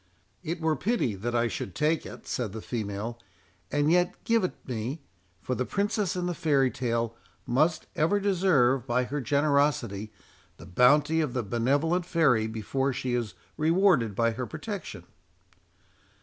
"It were pity that I should take it," said the female; "and yet give it me—for the princess in the fairy tale must ever deserve, by her generosity, the bounty of the benevolent fairy, before she is rewarded by her protection."